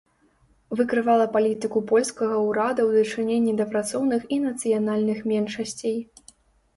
Выкрывала палітыку польскага ўрада ў дачыненні да працоўных і нацыянальных меншасцей.